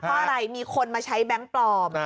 เพราะอะไรมีคนมาใช้แบงค์ปลอม